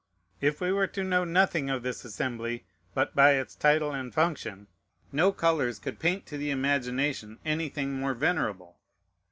If we were to know nothing of this assembly but by its title and function, no colors could paint to the imagination anything more venerable.